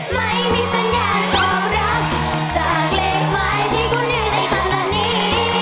ไม่มีสัญญาณตอบรับจากเลขหมายที่คุณเห็นในขณะนี้